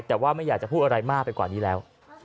แต่ว่าไม่อยากจะพูดอะไรมากไปกว่านี้แล้ว